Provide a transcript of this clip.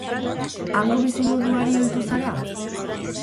Hango bizimoduari ohitu zara?